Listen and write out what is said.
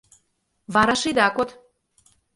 Вараш ида код!